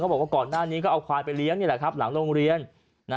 ก็บอกว่าก่อนหน้านี้ก็เอาควายไปเลี้ยงหลังโรงเรียน